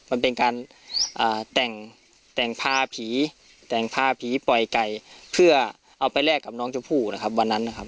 มันเป็นการแต่งแต่งพาผีแต่งพาผีปล่อยไก่เพื่อเอาไปแลกกับน้องชมพู่นะครับวันนั้นนะครับ